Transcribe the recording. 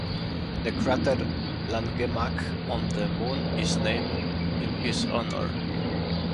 The crater Langemak on the Moon is named in his honor.